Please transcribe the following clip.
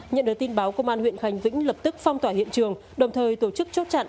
nhận được tin báo công an huyện khánh vĩnh lập tức phong tỏa hiện trường đồng thời tổ chức chốt chặn